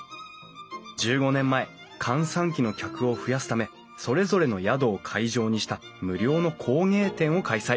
１５年前閑散期の客を増やすためそれぞれの宿を会場にした無料の工芸展を開催。